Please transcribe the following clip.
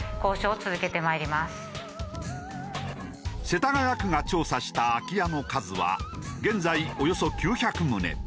世田谷区が調査した空き家の数は現在およそ９００棟。